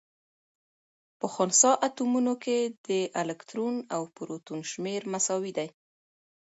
په خنثا اتومونو کي د الکترون او پروتون شمېر مساوي. دی